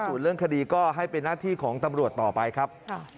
ส่วนเรื่องคดีก็ให้เป็นหน้าที่ของตำรวจต่อไปครับ